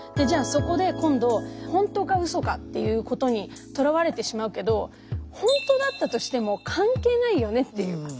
じゃあそこで今度本当かウソかっていうことにとらわれてしまうけど本当だったとしても関係ないよねっていう。